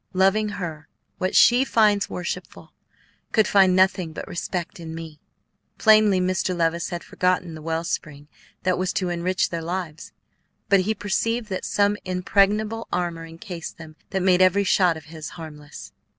Loving her, what she finds worshipful could find nothing but respect in me." Plainly Mr. Levice had forgotten the wellspring that was to enrich their lives; but he perceived that some impregnable armor encased them that made every shot of his harmless.